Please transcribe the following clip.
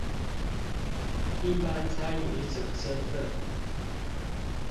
一般參與者身分